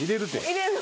入れるて！